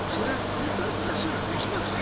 スーパースター集団できますね